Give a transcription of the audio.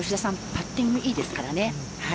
パッティングいいですからね。